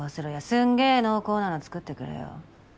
すんげぇ濃厚なの作ってくれよ。